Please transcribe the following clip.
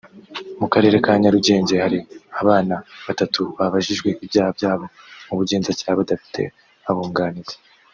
mu karere ka Nyarugenge hari abana batanu babajijwe ibyaha byabo mu Bugenzacyaha badafite abunganizi